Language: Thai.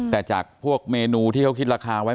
แต่จากพวกเมนูที่เขาคิดราคาไว้